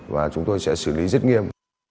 và chúng tôi sẽ xử lý rất nghiêm